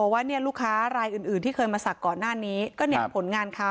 ว่าเนี่ยลูกค้ารายอื่นอื่นที่เคยมาสักก่อนหน้านี้ก็เนี่ยผลงานเขา